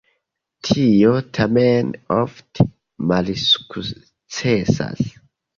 Tio tamen ofte malsukcesas.